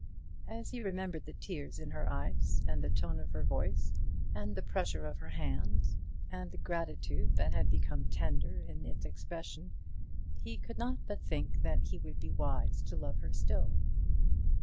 As he remembered the tears in her eyes, and the tone of her voice, and the pressure of her hand, and the gratitude that had become tender in its expression, he could not but think that he would be wise to love her still.